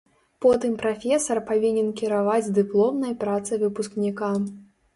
Потым прафесар павінен кіраваць дыпломнай працай выпускніка.